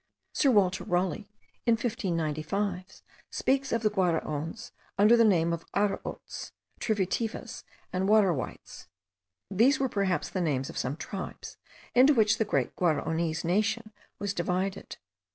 Sir Walter Raleigh, in 1595, speaks of the Guaraons under the names of Araottes, Trivitivas, and Warawites. These were perhaps the names of some tribes, into which the great Guaraonese nation was divided.